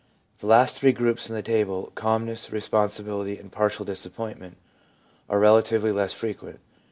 The last three groups in the table — calmness, responsibility and partial disappointment — are relatively less frequent.